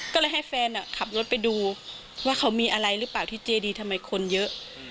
ก็เลยให้แฟนขับรถไปดูว่าเขามีอะไรหรือเปล่าที่เจดีทำไมคนเยอะ